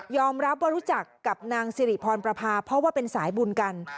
รับว่ารู้จักกับนางสิริพรประพาเพราะว่าเป็นสายบุญกัน